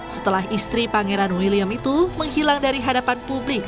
setelah istri pangeran william itu menghilang dari hadapan publik